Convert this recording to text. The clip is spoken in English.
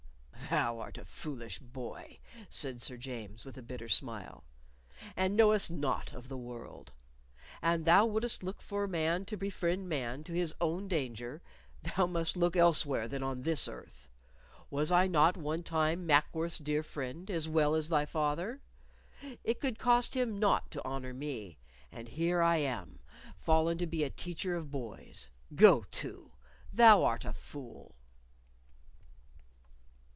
"Thou art a foolish boy," said Sir James with a bitter smile, "and knowest naught of the world. An thou wouldst look for man to befriend man to his own danger, thou must look elsewhere than on this earth. Was I not one time Mackworth's dear friend as well as thy father? It could cost him naught to honor me, and here am I fallen to be a teacher of boys. Go to! thou art a fool."